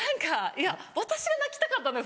いや私が泣きたかったんです